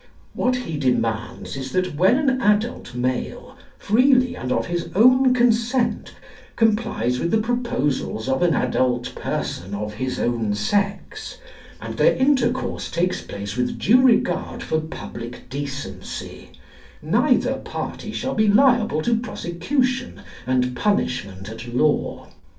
What he demands is that when an adult male, freely and of his own consent, complies with the proposals of an adult person of his own sex, and their intercourse takes place with due regard for public decency, neither party shall be liable to prosecution and punishment at law.